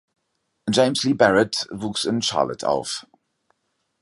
James Lee Barrett wuchs in Charlotte auf.